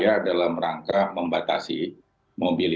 dan kemudian menanggulangi penularan supaya covid itu bisa tergedali